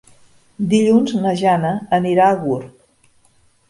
Dilluns na Jana anirà a Gurb.